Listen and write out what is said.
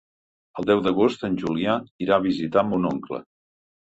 El deu d'agost en Julià irà a visitar mon oncle.